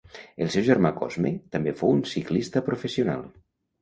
El seu germà Cosme també fou un ciclista professional.